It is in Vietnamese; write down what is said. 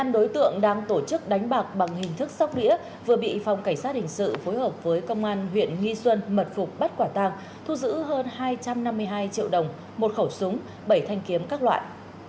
một mươi đối tượng đang tổ chức đánh bạc bằng hình thức sóc đĩa vừa bị phòng cảnh sát hình sự phối hợp với công an huyện nghi xuân mật phục bắt quả tang thu giữ hơn hai trăm năm mươi hai triệu đồng một khẩu súng bảy thanh kiếm các loại